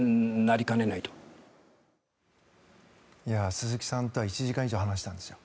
鈴木さんとは１時間以上話したんですよ。